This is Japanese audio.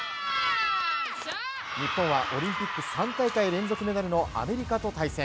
日本はオリンピック３大会連続メダルのアメリカと対戦。